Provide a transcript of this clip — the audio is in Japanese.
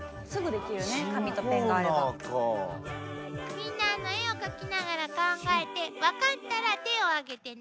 みんな絵を描きながら考えて分かったら手を挙げてね。